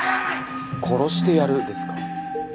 「殺してやる」ですか？